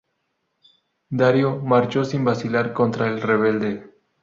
Darío marchó sin vacilar contra el rebelde.